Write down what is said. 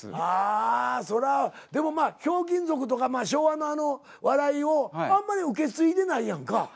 ああそらでもまあ「ひょうきん族」とか昭和のあの笑いをあんまり受け継いでないやんか。